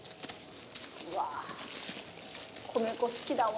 うわ米粉好きだわ。